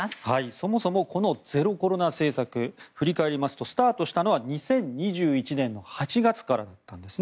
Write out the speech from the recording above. そもそもゼロコロナ政策振り返りますとスタートしたのは２０２１年の８月からです。